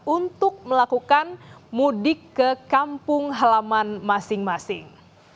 untuk melakukan mudik ke kampung halaman masing masing